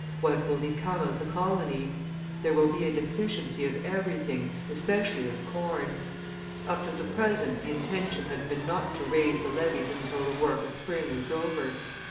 What will become of the colony? There will be a deficiency of everything, especially of corn; up to the present the intention had been not to raise the levies until the work of spring was over.